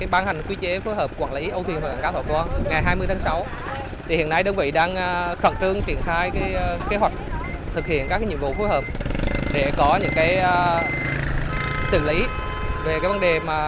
bản quản lý cảng cá và âu thuyền thọ quang